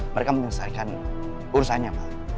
mereka menyelesaikan urusannya pak